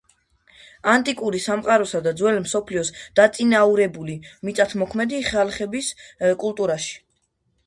ანტიკური სამყაროსა და ძველი მსოფლიოს დაწინაურებული მიწათმოქმედი ხალხების კულტურებში.